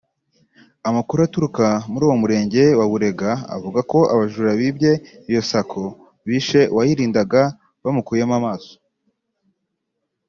Amakuru aturuka muri uwo murenge wa Burega avuga ko abajura bibye iyo Sacco bishe uwayirindaga bamukuyemo amaso